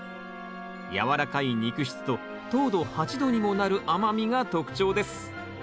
軟らかい肉質と糖度８度にもなる甘みが特徴です